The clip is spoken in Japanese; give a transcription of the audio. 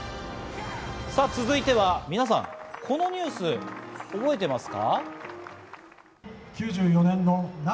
さぁ、続いては皆さん、このニュース覚えてますか？